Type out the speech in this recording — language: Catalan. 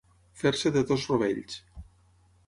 Fer-se de dos rovells.